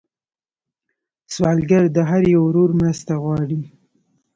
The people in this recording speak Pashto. سوالګر د هر یو ورور مرسته غواړي